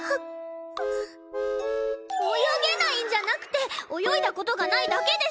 泳げないんじゃなくて泳いだ事がないだけです！